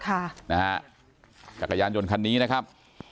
จักรยานยนต์คันนี้นะครับ